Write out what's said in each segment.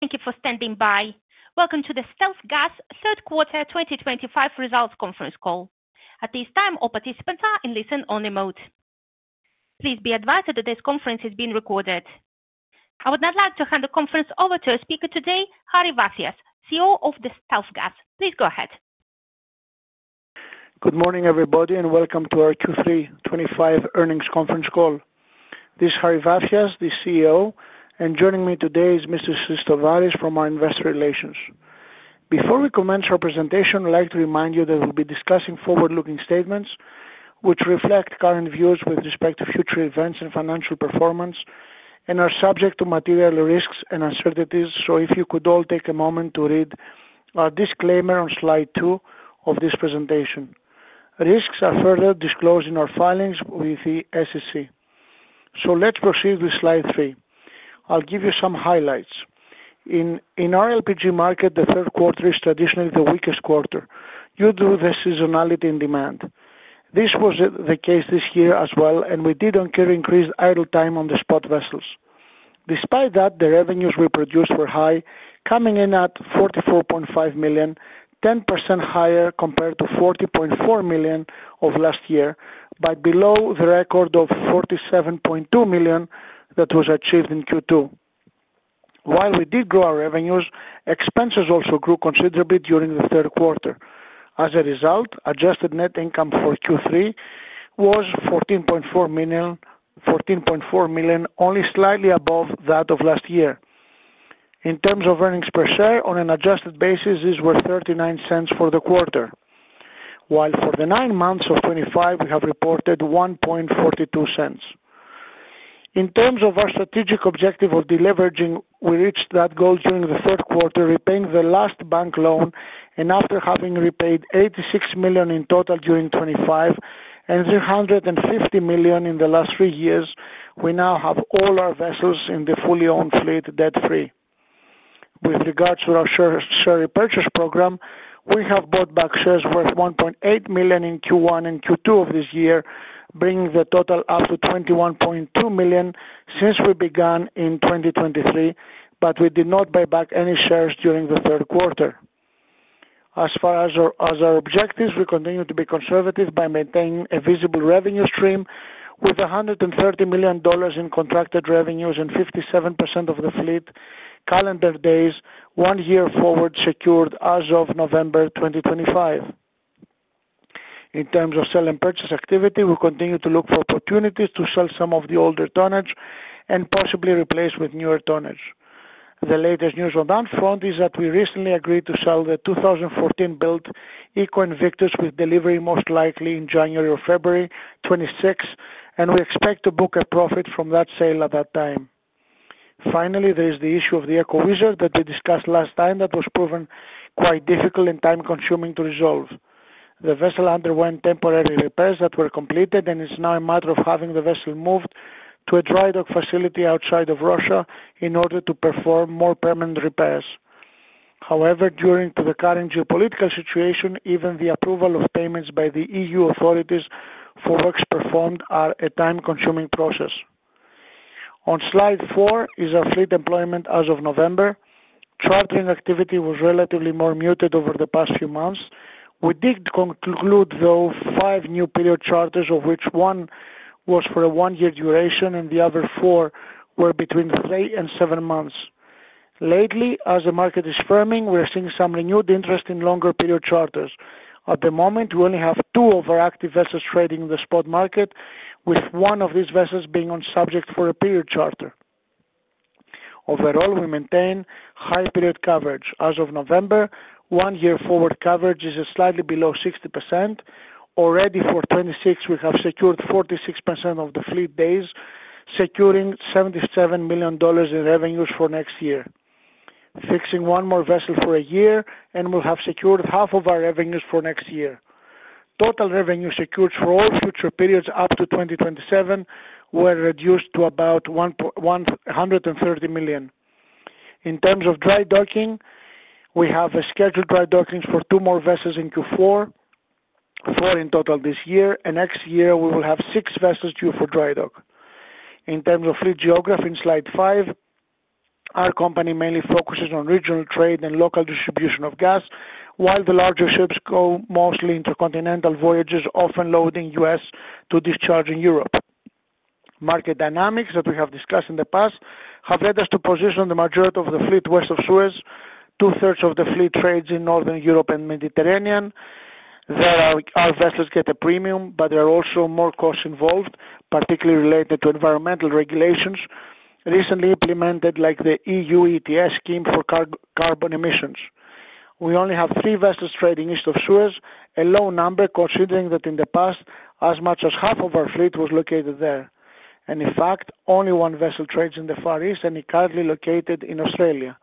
Thank you for standing by. Welcome to the StealthGas Third Quarter 2025 results conference call. At this time, all participants are in listen-only mode. Please be advised that this conference is being recorded. I would now like to hand the conference over to our speaker today, Harry Vafias, CEO of StealthGas. Please go ahead. Good morning, everybody, and welcome to our Q3 2025 earnings conference call. This is Harry Vafias, the CEO, and joining me today is Mr. Sistovaris from our Investor Relations. Before we commence our presentation, I'd like to remind you that we'll be discussing forward-looking statements which reflect current views with respect to future events and financial performance and are subject to material risks and uncertainties. If you could all take a moment to read our disclaimer on slide two of this presentation. Risks are further disclosed in our filings with the SEC. Let's proceed with slide three. I'll give you some highlights. In our LPG market, the third quarter is traditionally the weakest quarter due to the seasonality in demand. This was the case this year as well, and we did increase idle time on the spot vessels. Despite that, the revenues we produced were high, coming in at $44.5 million, 10% higher compared to $40.4 million of last year, but below the record of $47.2 million that was achieved in Q2. While we did grow our revenues, expenses also grew considerably during the third quarter. As a result, adjusted net income for Q3 was $14.4 million, only slightly above that of last year. In terms of earnings per share, on an adjusted basis, these were $0.39 for the quarter, while for the nine months of 2025, we have reported $0.42. In terms of our strategic objective of deleveraging, we reached that goal during the third quarter, repaying the last bank loan, and after having repaid $86 million in total during 2025 and $350 million in the last three years, we now have all our vessels in the fully-owned fleet debt-free. With regards to our share repurchase program, we have bought back shares worth $1.8 million in Q1 and Q2 of this year, bringing the total up to $21.2 million since we began in 2023, but we did not buy back any shares during the third quarter. As far as our objectives, we continue to be conservative by maintaining a visible revenue stream with $130 million in contracted revenues and 57% of the fleet calendar days one year forward secured as of November 2025. In terms of sale and purchase activity, we continue to look for opportunities to sell some of the older tonnage and possibly replace with newer tonnage. The latest news on that front is that we recently agreed to sell the 2014-built “Eco Invictus”, with delivery most likely in January or February 2026, and we expect to book a profit from that sale at that time. Finally, there is the issue of the Eco Wizard that we discussed last time that was proven quite difficult and time-consuming to resolve. The vessel underwent temporary repairs that were completed, and it's now a matter of having the vessel moved to a dry dock facility outside of Russia in order to perform more permanent repairs. However, due to the current geopolitical situation, even the approval of payments by the EU authorities for works performed are a time-consuming process. On slide four is our fleet employment as of November. Chartering activity was relatively more muted over the past few months. We did conclude, though, five new period charters, of which one was for a one-year duration and the other four were between three and seven months. Lately, as the market is firming, we're seeing some renewed interest in longer period charters. At the moment, we only have two of our active vessels trading in the spot market, with one of these vessels being on subject for a period charter. Overall, we maintain high period coverage. As of November, one-year forward coverage is slightly below 60%. Already for 2026, we have secured 46% of the fleet days, securing $77 million in revenues for next year, fixing one more vessel for a year, and we'll have secured half of our revenues for next year. Total revenues secured for all future periods up to 2027 were reduced to about $130 million. In terms of dry docking, we have scheduled dry dockings for two more vessels in Q4, four in total this year, and next year we will have six vessels due for dry dock. In terms of fleet geography, in slide five, our company mainly focuses on regional trade and local distribution of gas, while the larger ships go mostly intercontinental voyages, often loading US to discharge in Europe. Market dynamics that we have discussed in the past have led us to position the majority of the fleet west of Suez, two-thirds of the fleet trades in Northern Europe and Mediterranean. There our vessels get a premium, but there are also more costs involved, particularly related to environmental regulations recently implemented, like the European Union Emissions Trading System (EU ETS) scheme for carbon emissions. We only have three vessels trading east of Suez, a low number considering that in the past, as much as half of our fleet was located there. In fact, only one vessel trades in the far east, and it's currently located in Australia.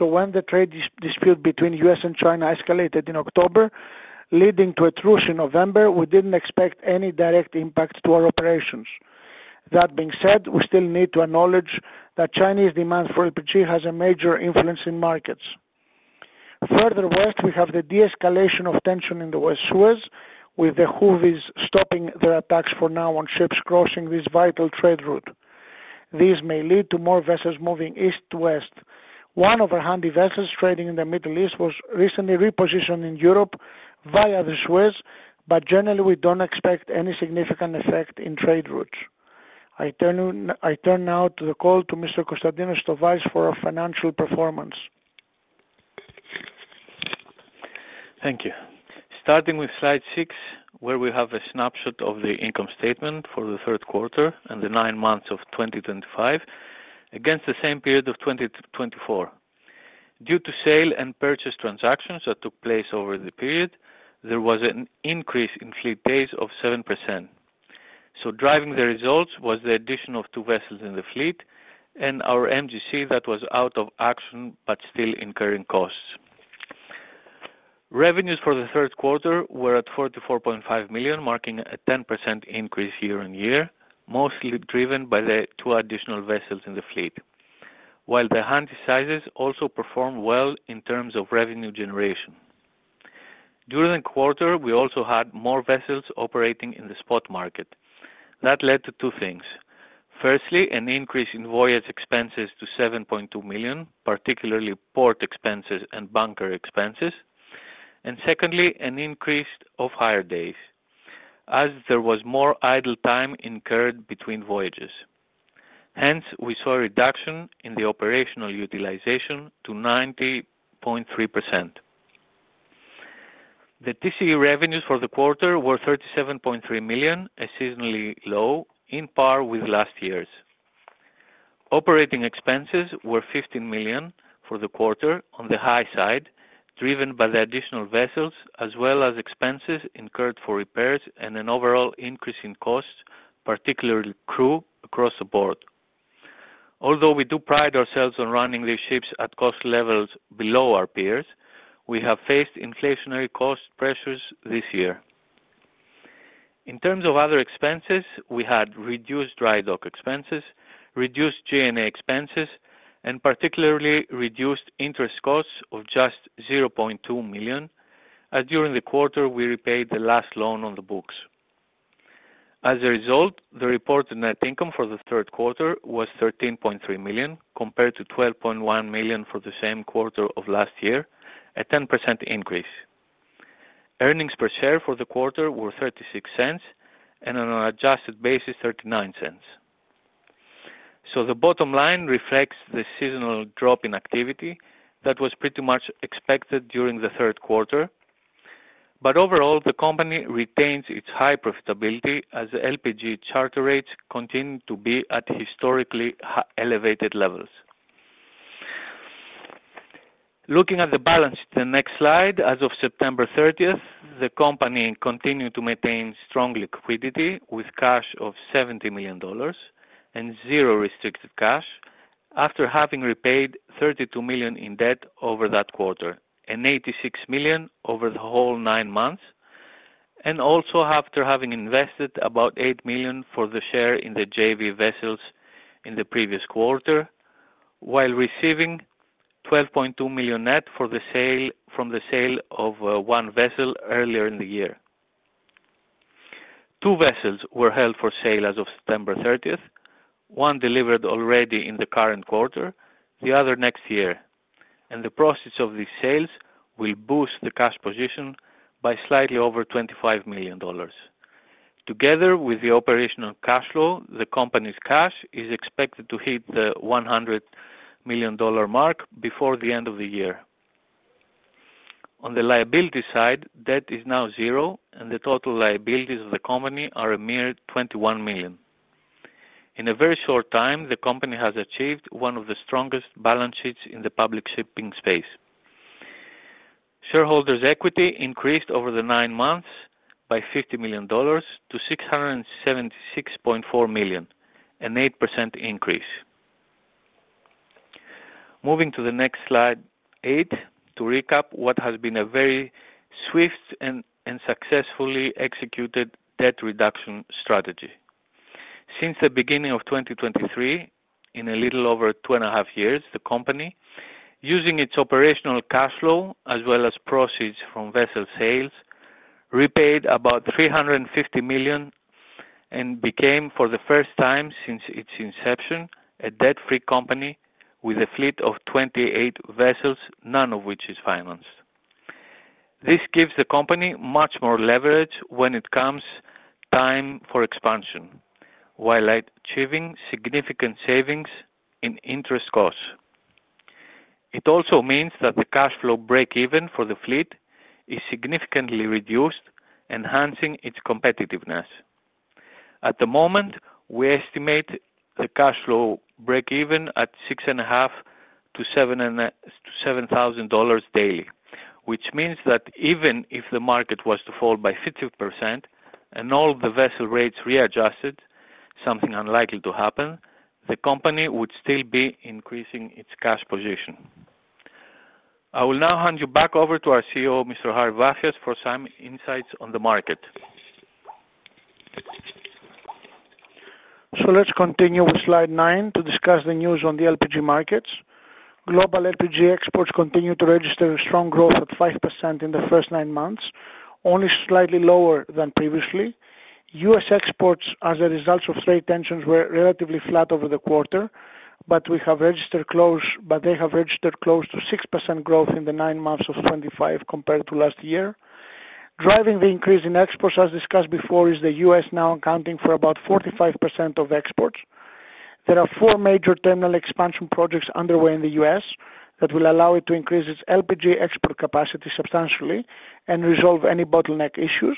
When the trade dispute between the US and China escalated in October, leading to a truce in November, we did not expect any direct impact to our operations. That being said, we still need to acknowledge that Chinese demand for LPG has a major influence in markets. Further west, we have the de-escalation of tension in the West Suez, with the Houthis stopping their attacks for now on ships crossing this vital trade route. These may lead to more vessels moving east to west. One of our handy vessels trading in the Middle East was recently repositioned in Europe via the Suez, but generally, we do not expect any significant effect in trade routes. I turn now to the call to Mr. Konstantinos Sistovaris for our financial performance. Thank you. Starting with slide six, where we have a snapshot of the income statement for the third quarter and the nine months of 2025 against the same period of 2024. Due to sale and purchase transactions that took place over the period, there was an increase in fleet days of 7%. Driving the results was the addition of two vessels in the fleet and our Medium Gas Carriers (MGC) that was out of action but still incurring costs. Revenues for the third quarter were at $44.5 million, marking a 10% increase year on year, mostly driven by the two additional vessels in the fleet, while the handy sizes also performed well in terms of revenue generation. During the quarter, we also had more vessels operating in the spot market. That led to two things. Firstly, an increase in voyage expenses to $7.2 million, particularly port expenses and bunker expenses, and secondly, an increase of hire days as there was more idle time incurred between voyages. Hence, we saw a reduction in the operational utilization to 90.3%. The TCE revenues for the quarter were $37.3 million, a seasonally low, in par with last year's. Operating expenses were $15 million for the quarter, on the high side, driven by the additional vessels as well as expenses incurred for repairs and an overall increase in costs, particularly crew across the board. Although we do pride ourselves on running these ships at cost levels below our peers, we have faced inflationary cost pressures this year. In terms of other expenses, we had reduced dry dock expenses, reduced G&A expenses, and particularly reduced interest costs of just $0.2 million, as during the quarter, we repaid the last loan on the books. As a result, the reported net income for the third quarter was $13.3 million compared to $12.1 million for the same quarter of last year, a 10% increase. Earnings per share for the quarter were $0.36 and on an adjusted basis, $0.39. The bottom line reflects the seasonal drop in activity that was pretty much expected during the third quarter. Overall, the company retains its high profitability as LPG charter rates continue to be at historically elevated levels. Looking at the balance sheet in the next slide, as of September 30, the company continued to maintain strong liquidity with cash of $70 million and zero restricted cash after having repaid $32 million in debt over that quarter and $86 million over the whole nine months, and also after having invested about $8 million for the share in the joint venture (JV) vessels in the previous quarter, while receiving $12.2 million net from the sale of one vessel earlier in the year. Two vessels were held for sale as of September 30. One delivered already in the current quarter, the other next year. The profits of these sales will boost the cash position by slightly over $25 million. Together with the operational cash flow, the company's cash is expected to hit the $100 million mark before the end of the year. On the liability side, debt is now zero, and the total liabilities of the company are a mere $21 million. In a very short time, the company has achieved one of the strongest balance sheets in the public shipping space. Shareholders' equity increased over the nine months by $50 million to $676.4 million, an 8% increase. Moving to the next slide, eight, to recap what has been a very swift and successfully executed debt reduction strategy. Since the beginning of 2023, in a little over two and a half years, the company, using its operational cash flow as well as proceeds from vessel sales, repaid about $350 million and became, for the first time since its inception, a debt-free company with a fleet of 28 vessels, none of which is financed. This gives the company much more leverage when it comes time for expansion, while achieving significant savings in interest costs. It also means that the cash flow break-even for the fleet is significantly reduced, enhancing its competitiveness. At the moment, we estimate the cash flow break-even at $6,500-$7,000 daily, which means that even if the market was to fall by 50% and all the vessel rates readjusted, something unlikely to happen, the company would still be increasing its cash position. I will now hand you back over to our CEO, Mr. Harry Vafias, for some insights on the market. Let's continue with slide nine to discuss the news on the LPG markets. Global LPG exports continue to register a strong growth of 5% in the first nine months, only slightly lower than previously. US exports, as a result of trade tensions, were relatively flat over the quarter, but they have registered close to 6% growth in the nine months of 2025 compared to last year. Driving the increase in exports, as discussed before, is the US now accounting for about 45% of exports. There are four major terminal expansion projects underway in the US that will allow it to increase its LPG export capacity substantially and resolve any bottleneck issues.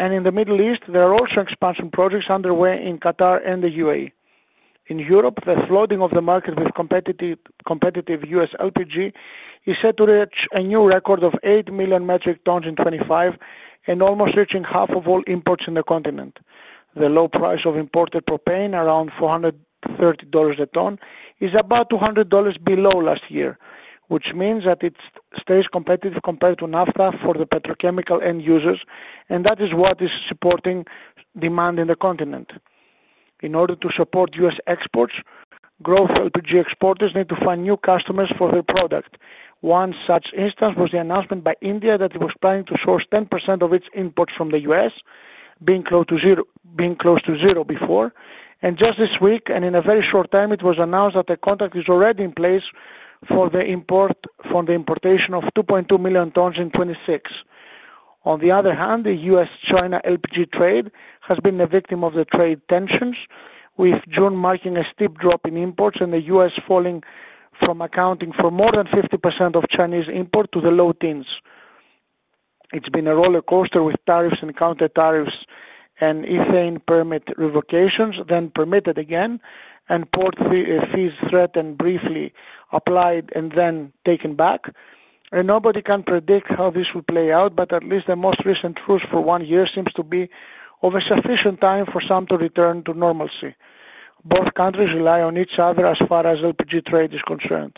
In the Middle East, there are also expansion projects underway in Qatar and the UAE. In Europe, the flooding of the market with competitive US LPG is set to reach a new record of 8 million metric tons in 2025 and almost reaching half of all imports in the continent. The low price of imported propane, around $430 a ton, is about $200 below last year, which means that it stays competitive compared to naphtha for the petrochemical end users, and that is what is supporting demand in the continent. In order to support US exports, growth LPG exporters need to find new customers for their product. One such instance was the announcement by India that it was planning to source 10% of its imports from the US, being close to zero before. Just this week, and in a very short time, it was announced that a contract is already in place for the importation of 2.2 million tons in 2026. On the other hand, the US-China LPG trade has been a victim of the trade tensions, with June marking a steep drop in imports and the US falling from accounting for more than 50% of Chinese imports to the low teens. It's been a roller coaster with tariffs and counter-tariffs and ethane permit revocations, then permitted again, and port fees threatened briefly, applied and then taken back. Nobody can predict how this will play out, but at least the most recent truce for one year seems to be of a sufficient time for some to return to normalcy. Both countries rely on each other as far as LPG trade is concerned.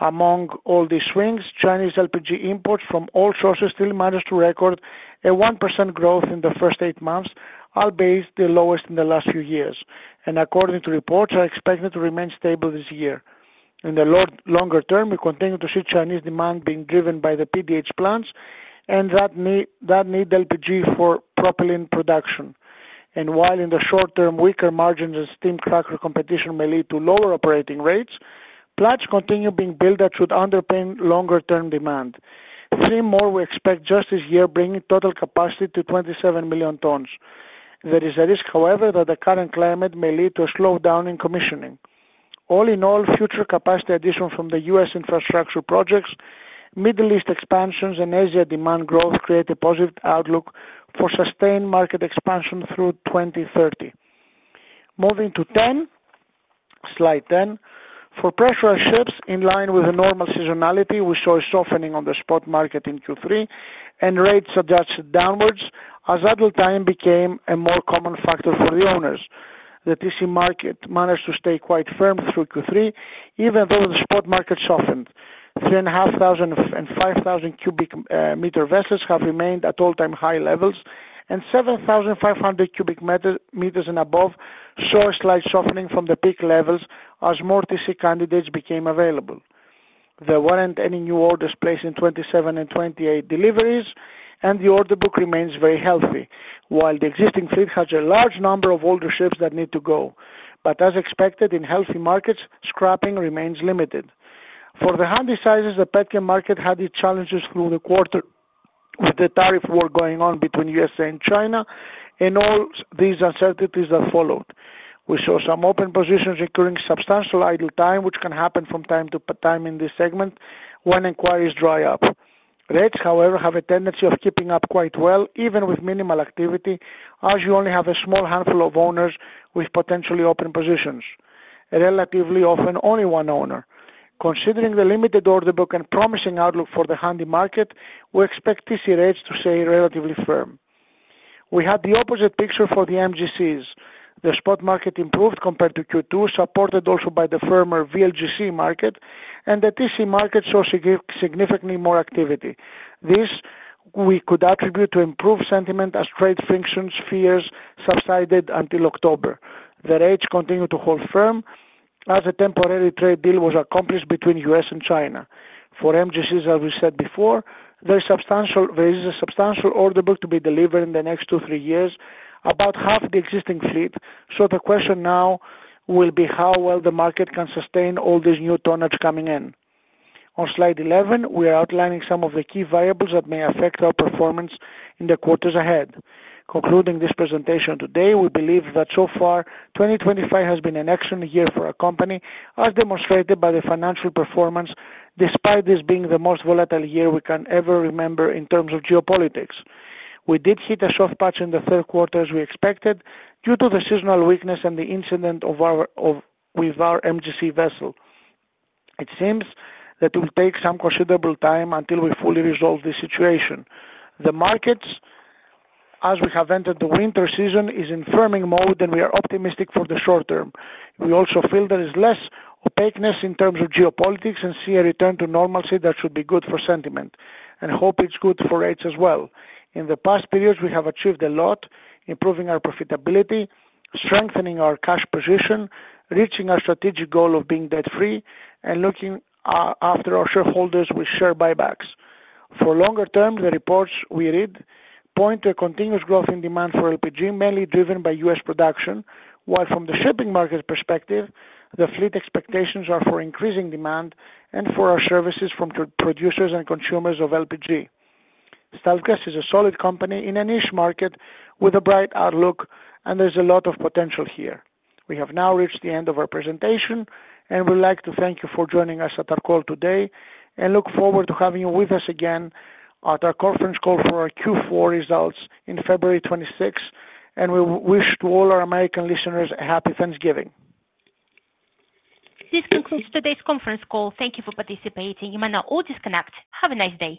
Among all these swings, Chinese LPG imports from all sources still managed to record a 1% growth in the first eight months, albeit the lowest in the last few years. According to reports, are expected to remain stable this year. In the longer term, we continue to see Chinese demand being driven by the PDH (propane dehydrogenation) plants that need LPG for propylene production. While in the short term, weaker margins and steam cracker competition may lead to lower operating rates, plants continue being built that should underpin longer-term demand. Three more we expect just this year, bringing total capacity to 27 million tons. There is a risk, however, that the current climate may lead to a slowdown in commissioning. All in all, future capacity addition from the US infrastructure projects, Middle East expansions, and Asia demand growth create a positive outlook for sustained market expansion through 2030. Moving to slide 10, for pressure ships in line with the normal seasonality, we saw a softening of the spot market in Q3 and rates adjusted downwards as idle time became a more common factor for the owners. The TCE market managed to stay quite firm through Q3, even though the spot market softened. 3,500 cbm and 5,000 cbm vessels have remained at all-time high levels, and 7,500 cbm and above saw a slight softening from the peak levels as more TCE candidates became available. There were not any new orders placed in 2027 and 2028 deliveries, and the order book remains very healthy, while the existing fleet has a large number of older ships that need to go. As expected, in healthy markets, scrapping remains limited. For the handy sizes, the petrochemical market had its challenges through the quarter with the tariff war going on between the US and China and all these uncertainties that followed. We saw some open positions recurring substantial idle time, which can happen from time to time in this segment when inquiries dry up. Rates, however, have a tendency of keeping up quite well, even with minimal activity, as you only have a small handful of owners with potentially open positions, relatively often only one owner. Considering the limited order book and promising outlook for the handy market, we expect TCE rates to stay relatively firm. We had the opposite picture for the MGCs. The spot market improved compared to Q2, supported also by the firmer Very Large Gas Carriers (VLGC) market, and the TCE market saw significantly more activity. This we could attribute to improved sentiment as trade frictions fears subsided until October. The rates continued to hold firm as a temporary trade deal was accomplished between the US and China. For MGCs, as we said before, there is a substantial order book to be delivered in the next two to three years. About half the existing fleet, so the question now will be how well the market can sustain all these new tonners coming in. On slide 11, we are outlining some of the key variables that may affect our performance in the quarters ahead. Concluding this presentation today, we believe that so far, 2025 has been an excellent year for our company, as demonstrated by the financial performance, despite this being the most volatile year we can ever remember in terms of geopolitics. We did hit a soft patch in the third quarter, as we expected, due to the seasonal weakness and the incident with our MGC vessel. It seems that it will take some considerable time until we fully resolve this situation. The markets, as we have entered the winter season, are in firming mode, and we are optimistic for the short term. We also feel there is less opaqueness in terms of geopolitics and see a return to normalcy that should be good for sentiment and hope it's good for rates as well. In the past periods, we have achieved a lot, improving our profitability, strengthening our cash position, reaching our strategic goal of being debt-free, and looking after our shareholders with share buybacks. For longer term, the reports we read point to a continuous growth in demand for LPG, mainly driven by US production, while from the shipping market perspective, the fleet expectations are for increasing demand and for our services from producers and consumers of LPG. StealthGas is a solid company in a niche market with a bright outlook, and there's a lot of potential here. We have now reached the end of our presentation, and we'd like to thank you for joining us at our call today and look forward to having you with us again at our conference call for our Q4 results on February 26, and we wish to all our American listeners a happy Thanksgiving. This concludes today's conference call. Thank you for participating. You may now all disconnect. Have a nice day.